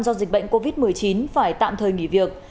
do dịch bệnh covid một mươi chín phải tạm thời nghỉ việc